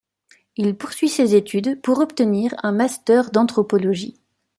Il poursuit ses études pour obtenir un master d'anthropologie.